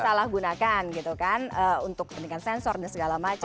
disalahgunakan gitu kan untuk menggunakan sensor dan segala macam